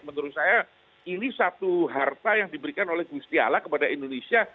menurut saya ini satu harta yang diberikan oleh gusti ala kepada indonesia